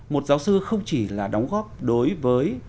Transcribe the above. một giáo sư không chỉ là đóng góp đối với